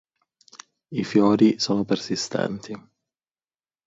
I fiori sono persistenti.